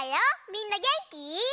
みんなげんき？